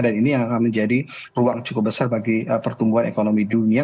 ini yang akan menjadi ruang cukup besar bagi pertumbuhan ekonomi dunia